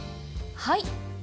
はい。